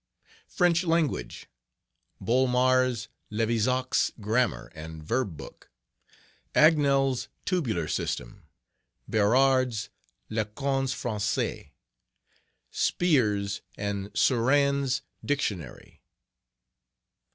French Language...........Bolmar's Levizac's Grammar and Verb Book. Agnel's Tabular System. Berard's Lecons Francaises. *Spier's and Surenne's Dictionary.